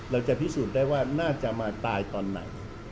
เราจะพิสูจน์ได้ว่าน่าจะมาตายตอนไหน